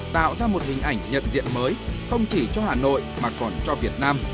tạo ra một hình ảnh nhận diện mới không chỉ cho hà nội mà còn cho việt nam